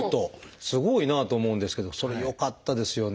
すごいなと思うんですけどそれよかったですよね。